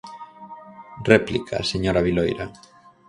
Réplica, señora Viloira.